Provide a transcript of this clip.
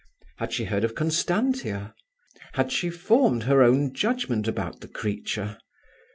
Had she heard of Constantia? Had she formed her own judgement about the creature?